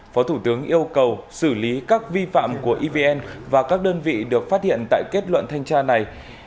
phó thủ tướng yêu cầu xử lý các vi phạm của evn và các đơn vị được phát hiện tại kết luận thanh tra này